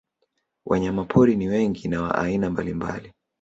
Wanyamapori ni wengi na wa aina mbalimbali